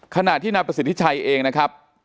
ขณะที่นายประสิทธิชัยเองนะครับ